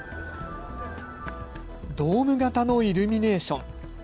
ドーム型のイルミネーション。